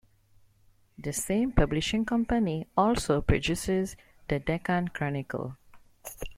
The same publishing company also produces the "Deccan Chronicle".